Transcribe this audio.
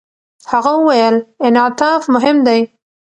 هغه وویل، انعطاف مهم دی.